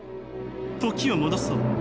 時を戻そう。